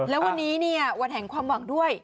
แล้ววันนี้เนี่ยวันแห่งความหวังด้วย